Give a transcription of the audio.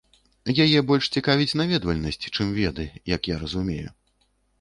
Яе больш цікавіць наведвальнасць, чым веды, як я разумею.